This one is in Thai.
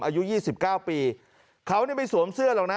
อายุยี่สิบเก้าปีเขาเนี่ยไม่สวมเสื้อหรอกนะ